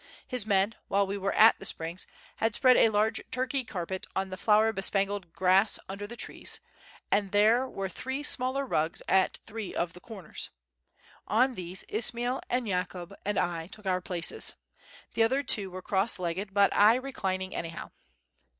His men, while we were at the springs, had spread a large Turkey carpet on the flower bespangled grass under the trees, and there were three smaller rugs at three of the corners. On these Ismail and Yakoub and I took our places. The other two were cross legged, but I reclining anyhow.